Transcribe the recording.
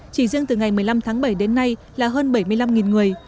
chỉ riêng từ ngày một mươi năm tháng bảy đến nay là hơn bảy mươi năm người